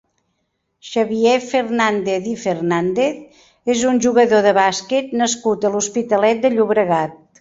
Xavier Fernàndez i Fernàndez és un jugador de bàsquet nascut a l'Hospitalet de Llobregat.